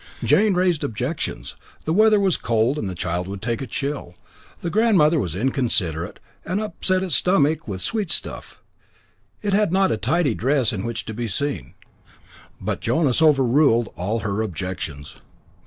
Jane raised objections the weather was cold and the child would take a chill; grandmother was inconsiderate, and upset its stomach with sweetstuff; it had not a tidy dress in which to be seen: but Jonas overruled all her objections.